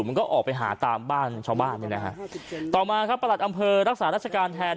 มันก็ออกไปหาตามบ้านชาวบ้านเนี่ยนะฮะต่อมาครับประหลัดอำเภอรักษาราชการแทน